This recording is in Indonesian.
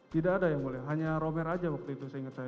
tidak ada ya mulia hanya romel saja waktu itu saya ingat saya